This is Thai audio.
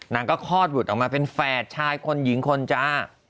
นางก็คลอดบุตรออกมาเป็นแฝดชายคนหญิงคนจ้า